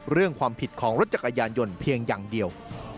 เรื่องความผิดของรถจักรยานยนต์เพียงอย่างเดียว